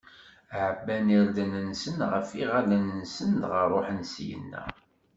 Ɛebban irden-nsen ɣef yeɣyal-nsen, dɣa ṛuḥen syenna.